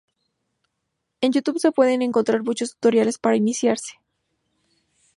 En Youtube se pueden encontrar muchos tutoriales para iniciarse.